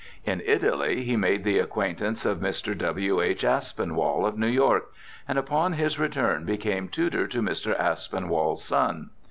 In Italy he made the acquaintance of Mr. W.H. Aspinwall, of New York, and upon his return became tutor to Mr. Aspinwall's son.